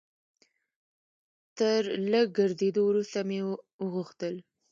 تر لږ ګرځېدو وروسته مې وغوښتل.